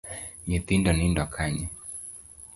Nyithindo nindo kanye?